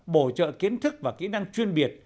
bổ trợ kiến thức và kỹ năng chuyên biệt